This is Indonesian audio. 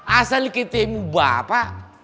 asal ketemu bapak